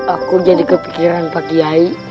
aku jadi kepikiran pak kiai